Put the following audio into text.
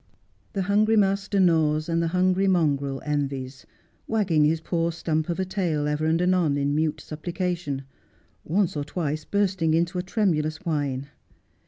The hungry master gnaws, and the hungry mongrel envies, wagging his poor stump of a tail ever and anon in mute suppli cation, once or twice bursting into a tremulous whine.